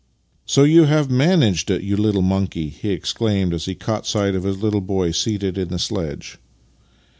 " So you have managed it, you little monkey? " he exclaimed as he caught sight of his little boy seated in the sledge.